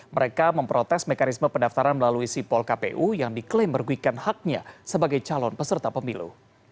mereka memprotes mekanisme pendaftaran melalui sipol kpu yang diklaim merugikan haknya sebagai calon peserta pemilu